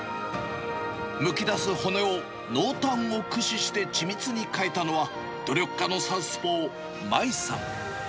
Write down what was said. むき出す骨を濃淡を駆使して緻密に描いたのは、努力家のサウスポー、まいさん。